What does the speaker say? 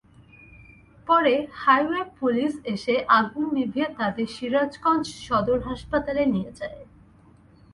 পরে highway police এসে আগুন নিভিয়ে তাঁদের সিরাজগঞ্জ সদর হাসপাতালে নিয়ে যায়।